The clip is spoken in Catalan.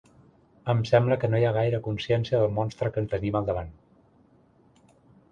Em sembla que no hi ha gaire consciència del monstre que tenim al davant.